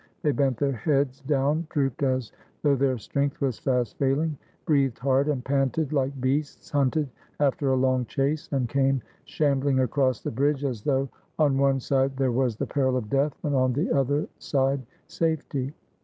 They bent their heads down, drooped as though their strength was fast failing, breathed hard and panted like beasts hunted after a long chase, and came shambling across the bridge as though 447 THE BALKAN STATES on one side there was the peril of death and on the other side safety.